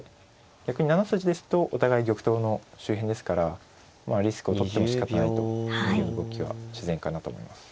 逆に７筋ですとお互い玉頭の周辺ですからリスクを取ってもしかたないという動きは自然かなと思います。